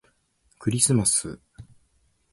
クリスマス